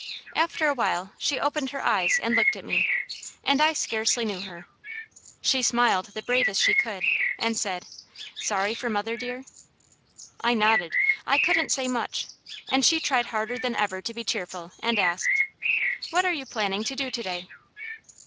After a while she opened her eyes and looked at me, and I scarcely knew her. She smiled the bravest she could and said: "Sorry for mother, dear?" I nodded. I couldn't say much, and she tried harder than ever to be cheerful and asked: "What are you planning to do to day?"